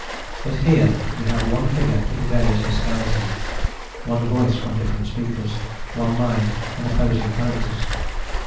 But here we have one figure in various disguises, one voice from different speakers, one mind in opposing characters.